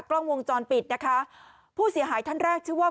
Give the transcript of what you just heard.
กล้องวงจรปิดนะคะผู้เสียหายท่านแรกชื่อว่า